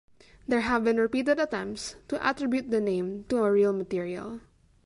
There have been repeated attempts to attribute the name to a real material.